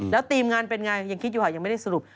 แล้วทีมงานเป็นไงยังคิดอยู่ค่ะยังไม่ได้สรุป